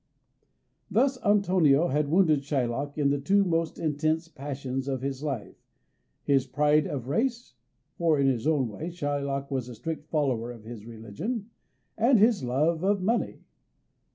Thus Antonio had wounded Shylock in the two most intense passions of his life his pride of race (for in his own way Shylock was a strict follower of his religion) and his love of money.